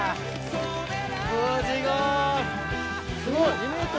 すごい。